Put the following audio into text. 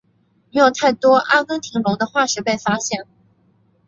没有太多阿根廷龙的化石被发现。